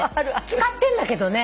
使ってんだけどね。